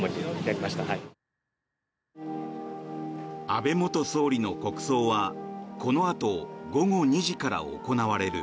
安倍元総理の国葬はこのあと午後２時から行われる。